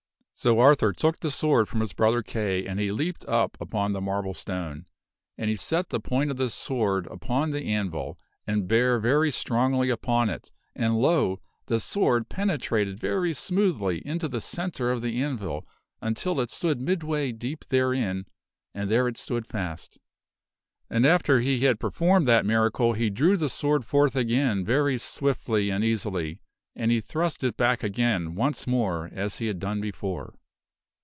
So Arthur took the sword from his brother Kay and he leaped up upon the marble stone. And he set the point of the sword upon the anvil and bare very strongly upon it and lo! the sword penetrated Arthur per very smoothly into the centre of the anvil until it stood ^JJJ^ Jf.^ midway deep therein, and there it stood fast. And after he sword and the had performed that miracle he drew the sword forth again anml ' very swiftly and easily, and then thrust it back again once more as he had done before.